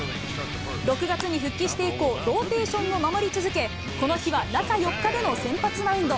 ６月に復帰して以降、ローテーションを守り続け、この日は中４日での先発マウンド。